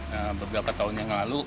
beberapa tahun yang lalu